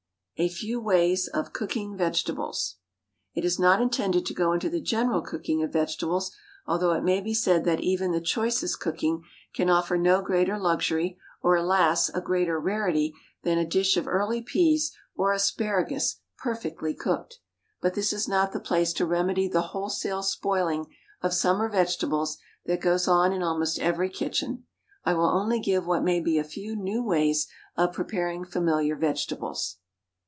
A Few Ways of Cooking Vegetables. It is not intended to go into the general cooking of vegetables, although it may be said that even the choicest cooking can offer no greater luxury, or, alas! a greater rarity, than a dish of early peas or asparagus perfectly cooked. But this is not the place to remedy the wholesale spoiling of summer vegetables that goes on in almost every kitchen. I will only give what may be a few new ways of preparing familiar vegetables.